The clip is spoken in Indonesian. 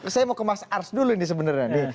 saya mau kemas ars dulu ini sebenarnya